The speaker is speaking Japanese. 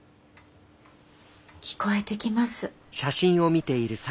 聞こえてきます。